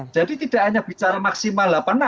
jadi tidak hanya bicara maksimal delapan enam